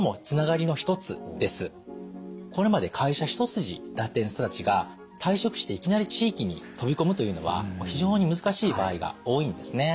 これまで会社一筋だったような人たちが退職していきなり地域に飛び込むというのは非常に難しい場合が多いんですね。